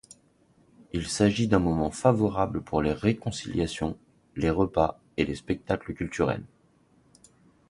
Il s’agit d’un moment favorable pour les réconciliations, les repas, et les spectacles culturels.